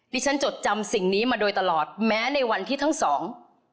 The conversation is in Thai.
ที่ฉันจดจำสิ่งนี้มาโดยตลอดแม้ในวันที่ทั้งสอง